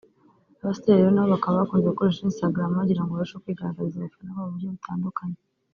Abastar rero nabo bakaba bakunze gukoresha Instagram bagirango barusheho kwigaragariza abafana babo mu buryo butandukanye